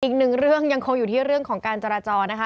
อีกหนึ่งเรื่องยังคงอยู่ที่เรื่องของการจราจรนะคะ